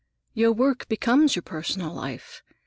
Your work becomes your personal life.